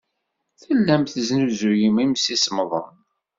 Tellam tesnuzuyem imsisemḍen.